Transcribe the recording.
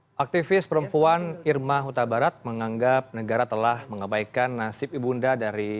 hai aktifis perempuan irma hutabarat menganggap negara telah mengabaikan nasib ibunda dari